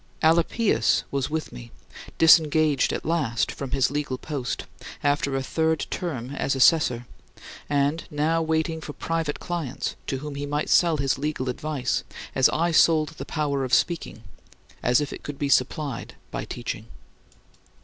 Alypius was with me, disengaged at last from his legal post, after a third term as assessor, and now waiting for private clients to whom he might sell his legal advice as I sold the power of speaking (as if it could be supplied by teaching).